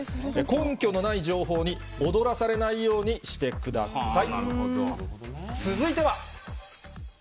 根拠のない情報に踊らされないようにしてください。